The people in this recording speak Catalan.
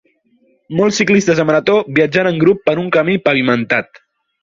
Molts ciclistes de marató viatjant en grup per un camí pavimentat.